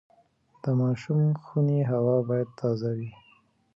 د ماشوم خونې هوا باید تازه وي۔